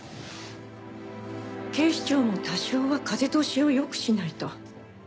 警視庁も多少は風通しを良くしないと。